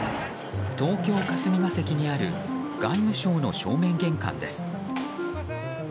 東京・霞が関にある外務省の正面玄関です。